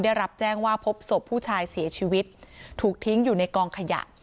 ได้รับแจ้งว่าพบศพผู้ชายเสียชีวิตถูกทิ้งอยู่ในกองขยะ